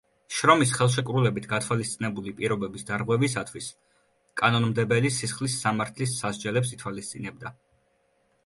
შრომის ხელშეკრულებით გათვალისწინებული პირობების დარღვევისათვის კანონმდებელი სისხლის სამართლის სასჯელებს ითვალისწინებდა.